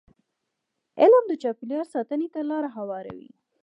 علم د چاپېریال ساتنې ته لاره هواروي.